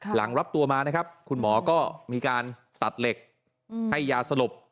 หลังรับตัวมานะครับคุณหมอก็มีการตัดเหล็กให้ยาสลบ